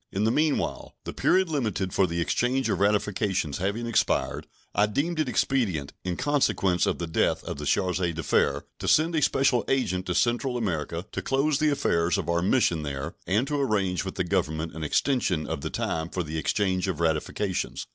In the meanwhile, the period limited for the exchange of ratifications having expired, I deemed it expedient, in consequence of the death of the charge d'affaires, to send a special agent to Central America to close the affairs of our mission there and to arrange with the Government an extension of the time for the exchange of ratifications.